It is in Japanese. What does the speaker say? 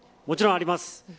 もちろんあります。